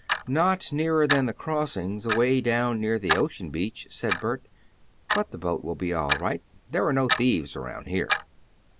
"Not nearer than the crossings, away down near the ocean beach," said Bert. "But the boat will be all right. There are no thieves around here."